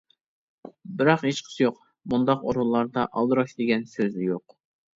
بىراق ھېچقىسى يوق، مۇنداق ئورۇنلاردا ‹ ‹ئالدىراش› › دېگەن سۆز يوق.